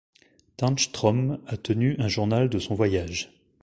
Tärnström a tenu un journal de son voyage.